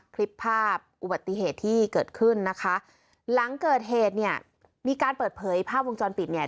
คลิปภาพอุบัติเหตุที่เกิดขึ้นนะคะหลังเกิดเหตุเนี่ยมีการเปิดเผยภาพวงจรปิดเนี่ย